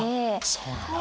そうなんだ。